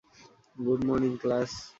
Good morning, class!